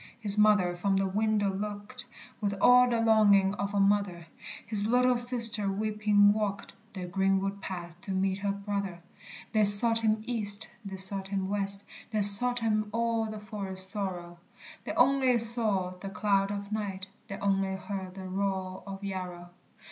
His mother from the window looked With all the longing of a mother; His little sister weeping walked The greenwood path to meet her brother. They sought him east, they sought him west, They sought him all the forest thorough, They only saw the cloud of night, They only heard the roar of Yarrow!